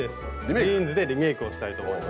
ジーンズでリメイクをしたいと思います。